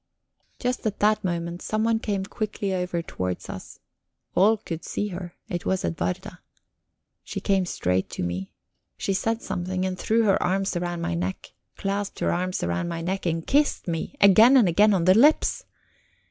Just at that moment someone came quickly over towards us. All could see her it was Edwarda. She came straight to me. She said something, and threw her arms round my neck; clasped her arms round my neck and kissed me again and again on the lips.